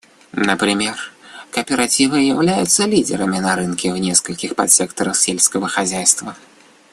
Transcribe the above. Например, кооперативы являются лидерами на рынке в нескольких подсекторах сельского хозяйства.